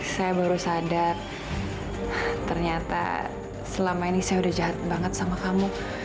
saya baru sadar ternyata selama ini saya udah jahat banget sama kamu